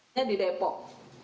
nya di depok